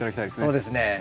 そうですね。